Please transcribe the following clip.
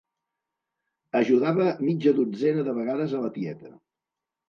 Ajudava mitja dotzena de vegades a la tieta.